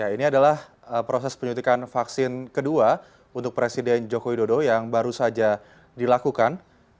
ini adalah proses penyuntikan vaksin kedua untuk presiden joko widodo yang baru saja dilakukan